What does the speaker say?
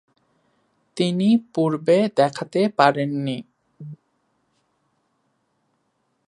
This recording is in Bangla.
তিনি পূর্বে দেখাতে পারেননি।